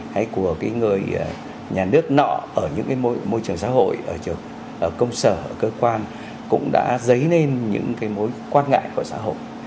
hay của cái người nhà nước nọ ở những cái môi trường xã hội ở công sở cơ quan cũng đã dấy lên những cái mối quan ngại của xã hội